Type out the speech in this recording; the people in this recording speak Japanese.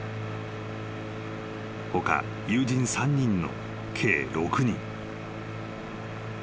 ［他友人３人の計６人］